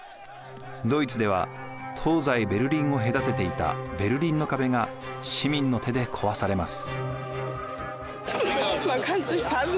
ドイツでは東西ベルリンを隔てていたベルリンの壁が市民の手で壊されます。